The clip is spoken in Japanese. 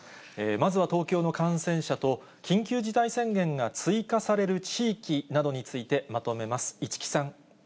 まずは東京の感染者と、緊急事態宣言が追加される地域などについてまとめます。